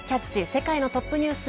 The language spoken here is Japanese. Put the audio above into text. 世界のトップニュース」。